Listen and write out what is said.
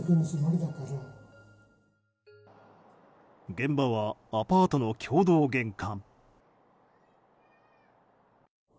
現場はアパートの共同玄関。